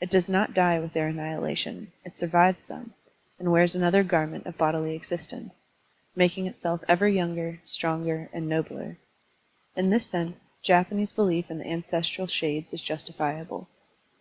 It does not die with their annihilation, it survives them, and wears another garment of bodily existence, making itself ever yotinger, stronger, and nobler. In this sense, Japanese belief in the ancestral shades is justifiable.